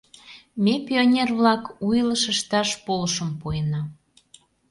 Ме, пионер-влак, у илыш ышташ полышым пуэна.